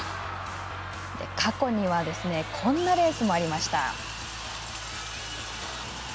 過去には、こんなレースもありました。